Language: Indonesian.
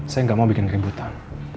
saya nggak mau bikin keributan